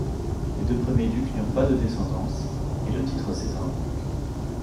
Les deux premiers ducs n'eurent pas de descendance, et le titre s'éteint donc.